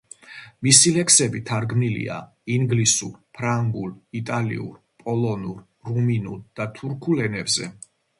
მისი ლექსები თარგმნილია ინგლისურ, ფრანგულ, იტალიურ, პოლონურ, რუმინულ და თურქულ ენებზე.